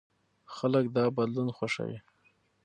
خلک دا بدلون خوښوي.